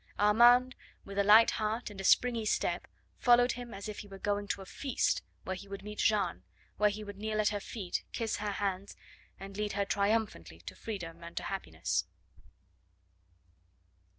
Armand, with a light heart and springy step, followed him as if he were going to a feast where he would meet Jeanne, where he would kneel at her feet, kiss her hands, and lead her triumphantly to freedom and to happiness.